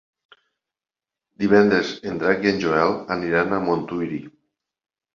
Divendres en Drac i en Joel aniran a Montuïri.